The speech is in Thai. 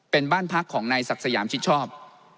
เป็นบ้านพักของนายศักดิ์สยามชิดชอบ